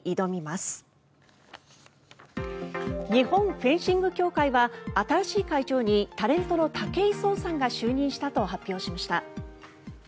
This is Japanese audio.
日本フェンシング協会は新しい会長にタレントの武井壮さんが就任したと発表しました。